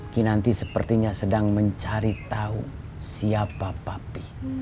kinanti sepertinya sedang mencari tau siapa papih